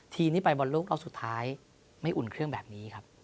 ที่ไปบอลโลกรอบสุดท้ายไม่อุ่นเครื่องแบบนี้ครับ